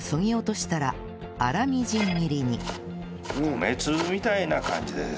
米粒みたいな感じです。